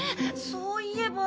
そういえば。